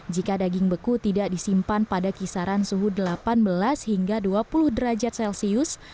jika daging beku tidak disimpan pada kisaran suhu delapan belas hingga dua puluh derajat celcius